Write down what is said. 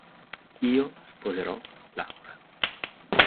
Io sposerò Laura.